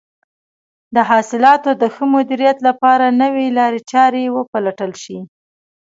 د حاصلاتو د ښه مدیریت لپاره نوې لارې چارې وپلټل شي.